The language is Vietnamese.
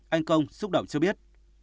anh công xúc động cho biết